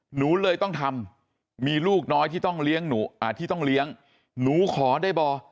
หนูเลยต้องทำมีลูกน้อยที่ต้องเลี้ยงหนูหนูขอได้บ่